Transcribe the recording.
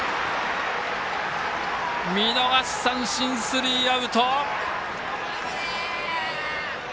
見逃し三振、スリーアウト。